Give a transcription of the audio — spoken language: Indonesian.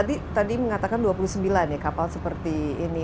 nah tadi mengatakan dua puluh sembilan kapal seperti ini